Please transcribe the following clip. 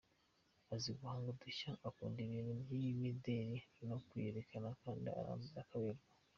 Azi guhanga udushya, Akunda ibintu by’imideli no kwiyerekana kandi arambara akaberwa.